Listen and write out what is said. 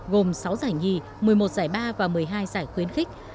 gồm sáu giải nhì một mươi một giải ba và một mươi hai giải khuyến khích